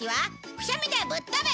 くしゃみでぶっ飛ぶ！